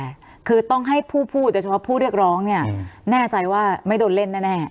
ใช่คือต้องให้ผู้พูดโดยเฉพาะผู้เรียกร้องเนี่ยแน่ใจว่าไม่โดนเล่นแน่